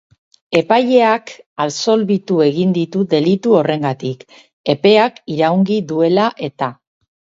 Epaileak absolbitu egin ditu delitu horrengatik, epeak iraungi duela eta.